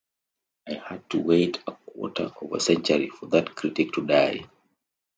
I had to wait a quarter of a century for that critic to die.